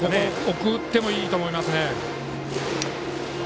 送ってもいいと思います。